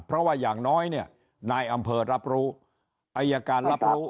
เพราะว่าอย่างน้อยเนี่ยนายอำเภอรับรู้อายการรับรู้